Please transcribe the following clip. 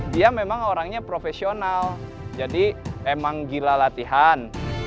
dia memang orangnya profesional jadi emang gila latihan